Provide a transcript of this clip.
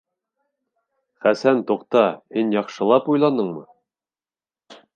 Хәсән, туҡта, һин яҡшылап уйланыңмы?